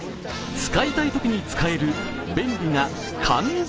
使いたいときに使える便利な缶詰。